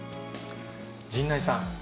陣内さん。